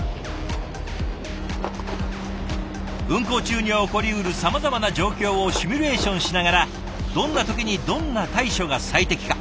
運航中に起こりうるさまざまな状況をシミュレーションしながらどんな時にどんな対処が最適か？